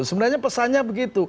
sebenarnya pesannya begitu